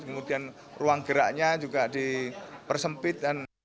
kemudian ruang geraknya juga dipersempit